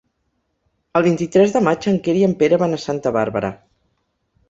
El vint-i-tres de maig en Quer i en Pere van a Santa Bàrbara.